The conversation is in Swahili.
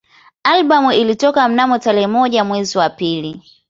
Albamu ilitoka mnamo tarehe moja mwezi wa pili